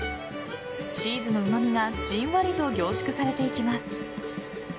チーズのうまみがじんわりと凝縮されていきます。